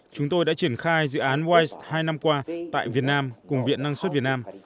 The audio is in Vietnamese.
chúng tôi đã triển khai dự án wise hai năm qua tại việt nam cùng viện năng suất việt nam